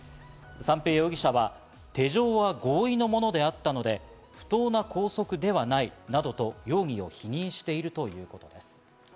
三瓶容疑者は手錠は合意のものであったので、不当は拘束ではないなどと容疑を否認しているということです。